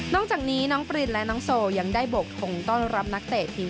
จากนี้น้องปรินและน้องโซยังได้โบกทงต้อนรับนักเตะทีม